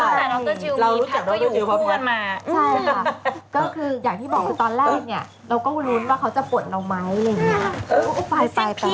เรารู้สึกจากโต้นพวกมัน